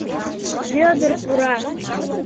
Вӧдыр пура.